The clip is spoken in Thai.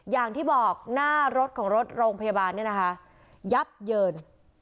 อย่างที่บอกหน้ารถของรถโรงพยาบาลเนี่ยนะคะยับเยิน